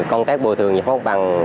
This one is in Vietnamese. công tác bồi thường nhập bằng